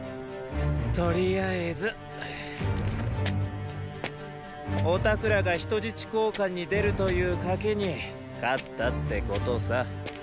とりあえず。おたくらが人質交換に出るという賭けに勝ったってことさ。